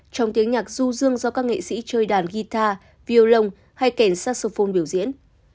trong tiếng nhạc du dương do các nghệ sĩ chơi đàn guitar violon hay kèn saxophone biểu diễn